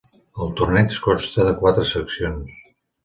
El torneig consta de quatre seccions.